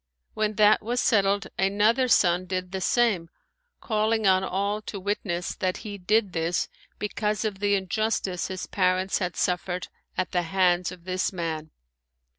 When that was settled another son did the same, calling on all to witness that he did this because of the injustice his parents had suffered at the hands of this man.